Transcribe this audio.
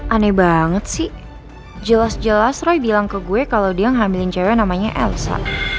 aneh banget sih jelas jelas roy bilang ke gue kalau dia ngambilin cewek namanya elsa